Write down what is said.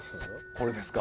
これですか？